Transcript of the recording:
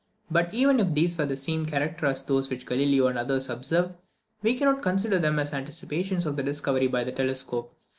But even if these were of the same character as those which Galileo and others observed, we cannot consider them as anticipations of their discovery by the telescope.